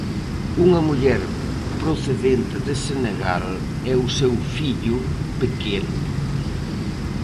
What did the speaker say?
Unha muller procedente de Senegal e o seu fillo pequeno.